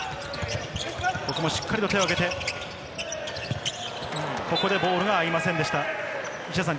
しっかりと手を上げて、ここでボールが合いませんでした。